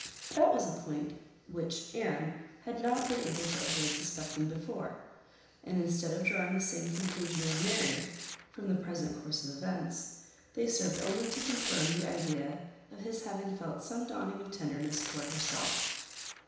That was a point which Anne had not been able to avoid suspecting before; and instead of drawing the same conclusion as Mary, from the present course of events, they served only to confirm the idea of his having felt some dawning of tenderness toward herself.